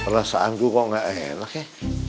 perasaanku kok gak enak ya